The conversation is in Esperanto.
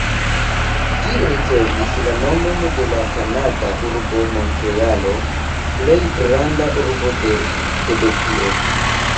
Ĝi ricevis la nomon de la kanada urbo Montrealo, plej granda urbo de Kebekio.